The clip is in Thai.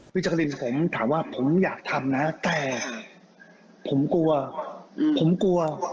จักรินผมถามว่าผมอยากทำนะแต่ผมกลัวผมกลัว